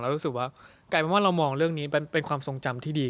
รู้สึกว่ากลายเป็นว่าเรามองเรื่องนี้เป็นความทรงจำที่ดี